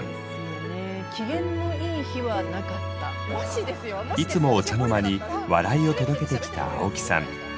いつもお茶の間に笑いを届けてきた青木さん。